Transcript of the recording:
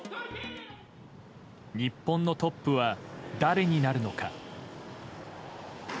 日本のトップは誰になるのか。